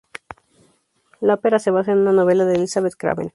La ópera se basa en una novela de Elizabeth Craven.